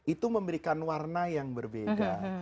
itu memberikan warna yang berbeda